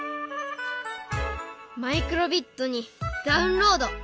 マイクロビットにダウンロード！